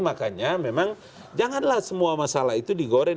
makanya memang janganlah semua masalah itu digoreng